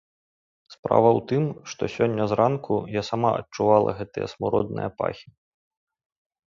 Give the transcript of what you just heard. Справа ў тым, што сёння зранку я сама адчувала гэтыя смуродныя пахі.